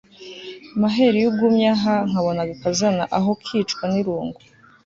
maheru iyo ugumye aha nkabona agakazana aho kwicwa n'irungu